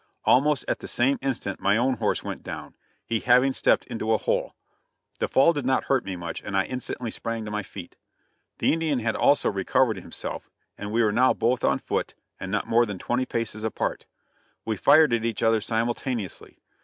Almost at the same instant my own horse went down, he having stepped into a hole. The fall did not hurt me much, and I instantly sprang to my feet. The Indian had also recovered himself, and we were now both on foot, and not more than twenty paces apart. We fired at each other simultaneously.